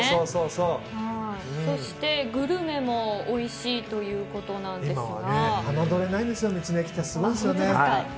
そして、グルメもおいしいということなんですが。